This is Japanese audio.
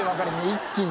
一気に。